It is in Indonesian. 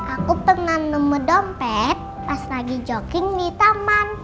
aku pernah nemu dompet pas lagi jogging di taman